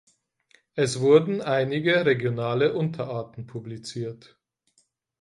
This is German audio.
Es wurden einige regionale Unterarten publiziert:.